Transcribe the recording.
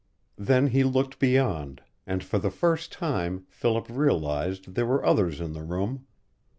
Then he looked beyond, and for the first time Philip realized there were others in the room.